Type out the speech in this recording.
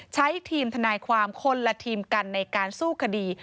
ทีมทนายความคนละทีมกันในการสู้คดี